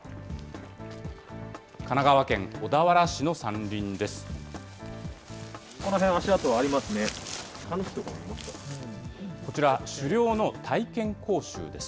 神奈川県小田原市の山林です。